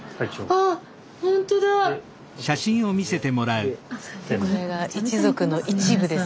スタジオこれが一族の一部です。